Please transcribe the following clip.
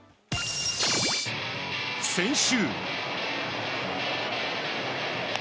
先週。